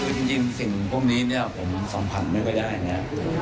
คือจริงจริงสิ่งพวกนี้เนี้ยผมสัมผัสไม่ก็ได้นะครับ